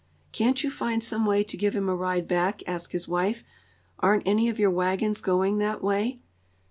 "Can't you find some way to give him a ride back?" asked his wife. "Aren't any of your wagons going that way?"